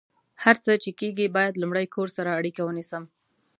هر څه چې کیږي، باید لمړۍ کور سره اړیکه ونیسم